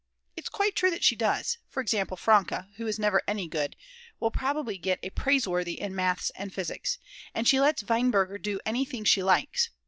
It's quite true that she does, for example Franke, who is never any good, will probably get a Praiseworthy in Maths and Physics; and she lets Weinberger do anything she likes.